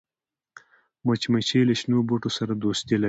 مچمچۍ له شنو بوټو سره دوستي لري